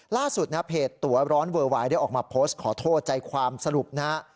ล่าสุดนะเพจตัวร้อนเวอร์วายได้ออกมาโพสต์ขอโทษใจความสรุปนะฮะ